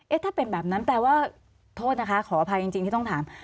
ถ้าเป็นแบบนั้นแปลว่าโทษนะคะขออภัยจริงที่ต้องถาม